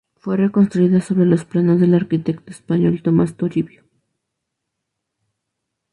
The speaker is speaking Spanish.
Fue reconstruida sobre los planos del arquitecto español Tomás Toribio.